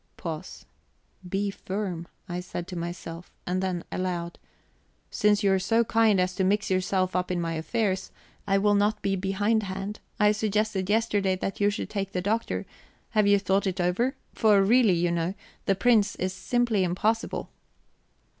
Pause. "Be firm!" I said to myself; and then, aloud: "Since you are so kind as to mix yourself up in my affairs, I will not be behindhand. I suggested yesterday that you should take the Doctor; have you thought it over? For really, you know, the prince is simply impossible."